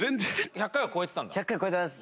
１００回は超えてます。